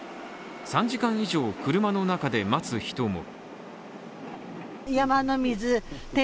３時間以上車の中で待つ人も。